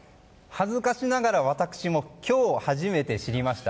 恥ずかしながら私も今日初めて知りました。